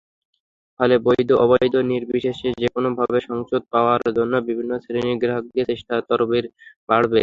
ফলে বৈধ-অবৈধ নির্বিশেষে যেকোনোভাবে সংযোগ পাওয়ার জন্য বিভিন্ন শ্রেণির গ্রাহকের চেষ্টা-তদবির বাড়বে।